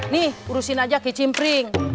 nih urusin aja ke cimpring